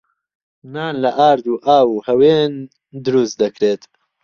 نان لە ئارد و ئاو و هەوێن دروست دەکرێت.